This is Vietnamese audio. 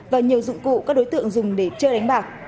và nhiều dụng cụ các đối tượng dùng để chơi đánh bạc